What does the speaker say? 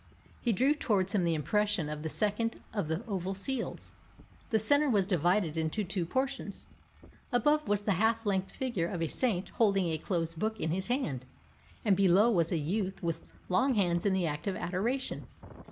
He drew towards him the impression of the second of the oval seals. The centre was divided into two portions. Above was the half length figure of a saint holding a closed book in his hand, and below was a youth with long hands in the act of adoration.